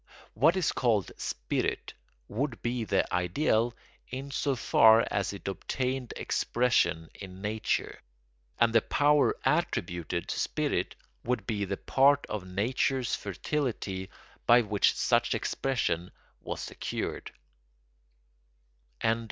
What is called spirit would be the ideal in so far as it obtained expression in nature; and the power attributed to spirit would be the part of nature's fertility by which such expression was secured.